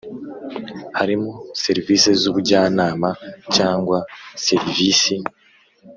Harimo serivisi z ubujyanama cyangwa serivisi